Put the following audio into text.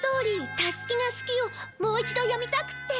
『タスキがスキ』をもう一度読みたくって。